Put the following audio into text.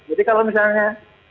jadi kalau misalnya